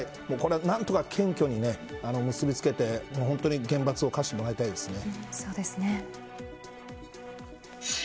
何とか検挙に結びつけて厳罰を科してもらいたいですね。